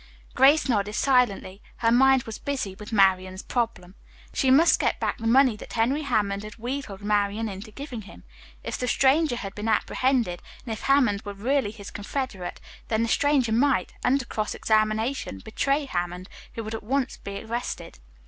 Grace nodded silently. Her mind was busy with Marian's problem. She must get back the money that Henry Hammond had wheedled Marian into giving him. If the stranger had been apprehended and if Hammond were really his confederate, then the stranger might, under cross examination, betray Hammond, who would at once be arrested.